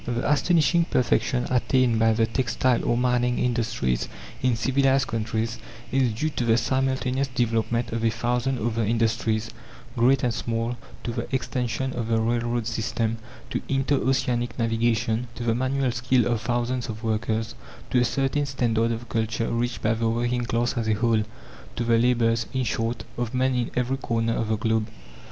The astonishing perfection attained by the textile or mining industries in civilized countries is due to the simultaneous development of a thousand other industries, great and small, to the extension of the railroad system, to inter oceanic navigation, to the manual skill of thousands of workers, to a certain standard of culture reached by the working class as a whole to the labours, in short, of men in every corner of the globe.